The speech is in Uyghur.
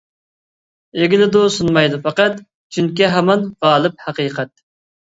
ئېگىلىدۇ سۇنمايدۇ پەقەت، چۈنكى، ھامان غالىپ ھەقىقەت.